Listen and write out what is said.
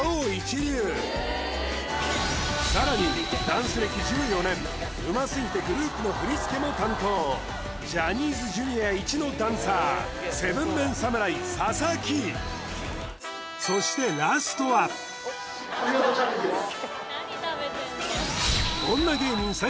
さらにダンス歴１４年うますぎてグループの振り付けも担当ジャニーズＪｒ．いちのダンサー７ＭＥＮ侍佐々木そしてラストは神業チャレンジです